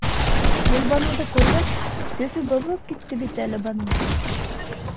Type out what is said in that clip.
Гөлбаныуҙы күргәс, төҫө боҙолоп китте бит әле бының.